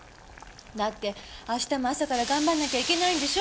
だって明日も朝から頑張んなきゃいけないんでしょ？